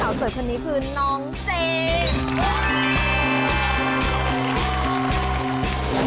ข่าวสวยคนนี้คือน้องเจ